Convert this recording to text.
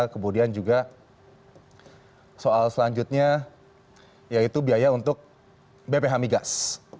kemudian juga soal selanjutnya yaitu biaya untuk bph migas